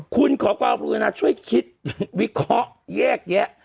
คุณขอความกรุณาช่วยคิดวิเคราะห์แยกแยะ